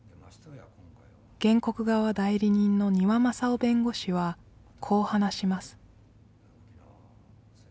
原告側代理人の丹羽雅雄弁護士はこう話します